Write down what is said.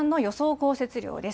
降雪量です。